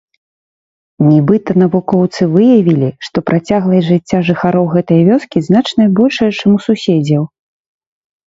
Нібыта, навукоўцы выявілі, што працягласць жыцця жыхароў гэтай вёскі значна большая, чым у суседзяў.